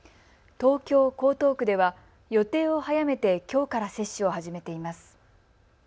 東京江東区では予定を早めてきょうから接種を始めています。